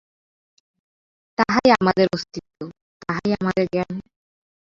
তাহাই আমাদের অস্তিত্ব, তাহাই আমাদের জ্ঞান।